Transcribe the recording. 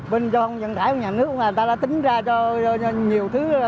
bên trong dân thải nhà nước cũng là người ta đã tính ra cho nhiều thứ